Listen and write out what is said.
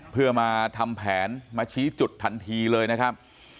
เพื่อมาทำแผนมาชี้จุดทันทีเลยนะครับ